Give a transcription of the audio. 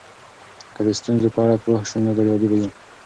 که د ستونزو په اړه پوه سو نو بریالي به یو.